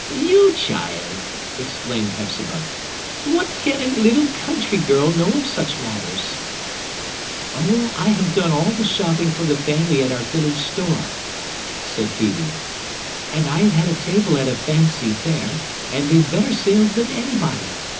"You, child!" exclaimed Hepzibah. "What can a little country girl know of such matters?" "Oh, I have done all the shopping for the family at our village store," said Phœbe. "And I have had a table at a fancy fair, and made better sales than anybody.